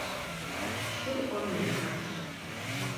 Шыр ӏуэм ихьащ.